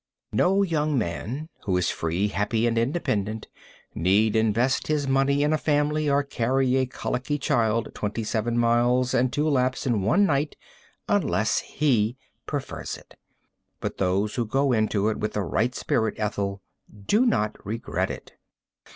No young man who is free, happy and independent, need invest his money in a family or carry a colicky child twenty seven miles and two laps in one night unless he prefers it. But those who go into it with the right spirit, Ethel, do not regret it.